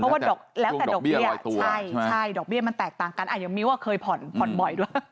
เพราะว่าดอกเบี้ยมันแตกต่างกันยังมีว่าเคยผ่อนบ่อยด้วย